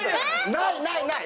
ないないない！